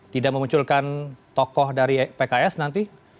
tidak memunculkan tokoh dari pks nanti